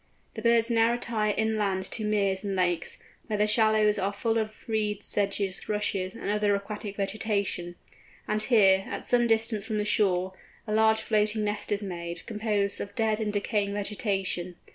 The birds now retire inland to meres and lakes, where the shallows are full of reeds, sedges, rushes, and other aquatic vegetation, and here, at some distance from the shore, a large floating nest is made, composed of dead and decaying vegetation.